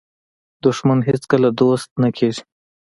دښمن هیڅکله دوست نه کېږي